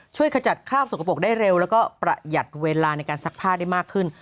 ขจัดคราบสกปรกได้เร็วแล้วก็ประหยัดเวลาในการซักผ้าได้มากขึ้น